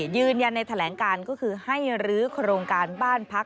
ยืนยันในแถลงการก็คือให้รื้อโครงการบ้านพัก